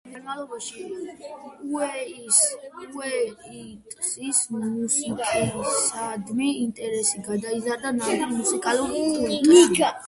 წლების განმავლობაში უეიტსის მუსიკისადმი ინტერესი გადაიზარდა ნამდვილ მუსიკალურ კულტში.